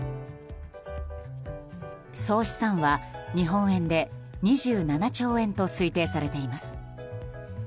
総資産は日本円で２７兆円と推定されています。